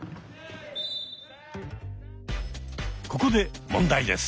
ここで問題です。